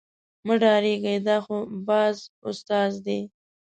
مه ډارېږئ دا خو باز استاد دی.